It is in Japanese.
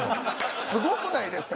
すごくないですか？